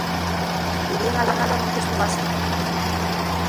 Diríen a la gueta d'un testu básicu.